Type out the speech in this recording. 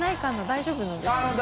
大丈夫なんですか？